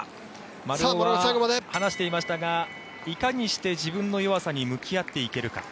丸尾は話していましたがいかにして自分の弱さに向き合っていけるか。